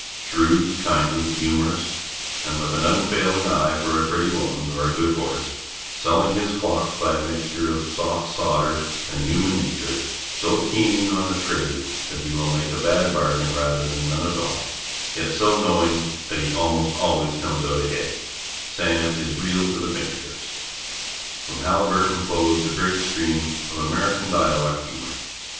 Shrewd, kindly, humorous, with an unfailing eye for a pretty woman or a good horse, selling his clocks by 'a mixture of soft sawder and human natur',' so keen on a trade that he will make a bad bargain rather than none at all, yet so knowing that he almost always comes out ahead, Sam is real to the finger tips. From Haliburton flows the great stream of American dialect humour.